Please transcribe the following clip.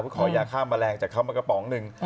เพื่อขอยาฆ่าแมลงจากเขามากระป๋องหนึ่ง